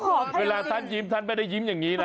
เมื่อกี้ละเวลาท่านยิ้มท่านไม่ได้ยิ้มอย่างงี้น่ะ